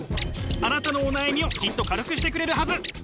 あなたのお悩みをきっと軽くしてくれるはず。